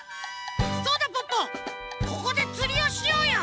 そうだポッポここでつりをしようよ！